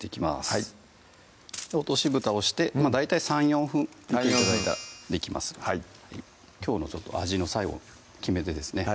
はい落としぶたをして大体３４分煮て頂いたらできますのできょうの味の最後の決め手ですね